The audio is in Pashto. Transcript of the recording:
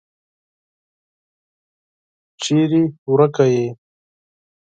چیري ورکه یې ؟